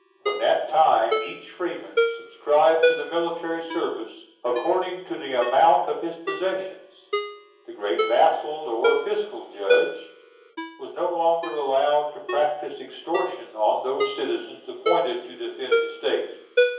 From that time each freeman subscribed to the military service according to the amount of his possessions. The great vassal, or fiscal judge, was no longer allowed to practise extortion on those citizens appointed to defend the State.